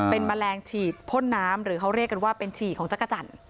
เป็นแมลงฉีดพ่นน้ำหรือเขาเรียกกันว่าเป็นฉี่ของจักรจันทร์